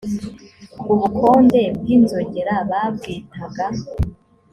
ubukonde bw inzogera babwitaga